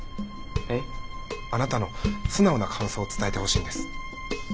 あなたの素直な感想を伝えてほしいんです。